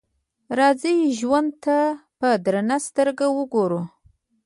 راځئ ژوند ته په درنه سترګه وګورو.